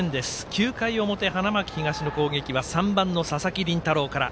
９回の表、花巻東の攻撃は３番の佐々木麟太郎から。